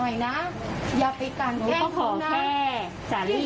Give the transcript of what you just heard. จะไม่เคลียร์กันได้ง่ายนะครับ